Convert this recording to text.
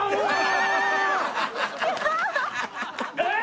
えっ？